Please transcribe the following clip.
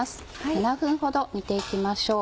７分ほど煮て行きましょう。